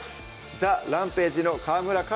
ＴＨＥＲＡＭＰＡＧＥの川村壱